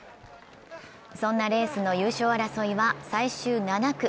そんなレースの優勝争いは最終７区。